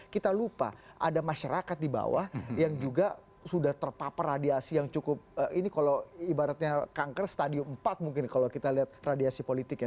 kita lupa ada masyarakat di bawah yang juga sudah terpapar radiasi yang cukup ini kalau ibaratnya kanker stadium empat mungkin kalau kita lihat radiasi politiknya